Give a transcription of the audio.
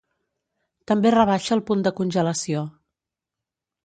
També rebaixa el punt de congelació.